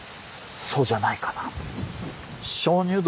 そうじゃないかなと。